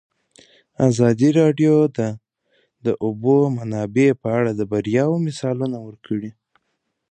ازادي راډیو د د اوبو منابع په اړه د بریاوو مثالونه ورکړي.